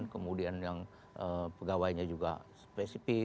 kemudian yang pegawainya juga spesifik